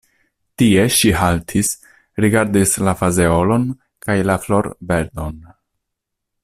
Tie ŝi haltis, rigardis la fazeolon kaj la florbedon.